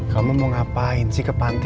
kamu mau ngapain sih ke pantai